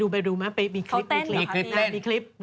ไปดูมามีคลิปหน่อย